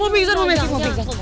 mau pingsan bu messi